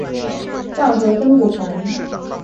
稻荷森古坟。